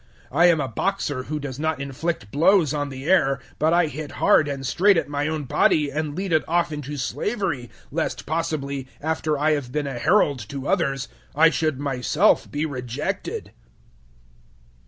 I am a boxer who does not inflict blows on the air, 009:027 but I hit hard and straight at my own body and lead it off into slavery, lest possibly, after I have been a herald to others, I should myself be rejected.